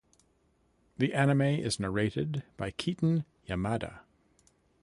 The anime is narrated by Keaton Yamada.